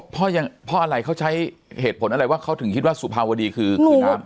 เพราะอะไรเขาใช้เหตุผลอะไรว่าเขาถึงคิดว่าสุภาวดีคือน้ำ